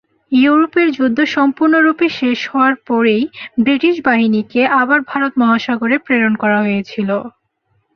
ইউরোপের যুদ্ধ সম্পূর্ণরূপে শেষ হওয়ার পরেই ব্রিটিশ বাহিনীকে আবার ভারত মহাসাগরে প্রেরণ করা হয়েছিল।